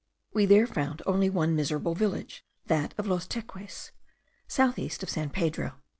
We there found only one miserable village, that of Los Teques, south east of San Pedro.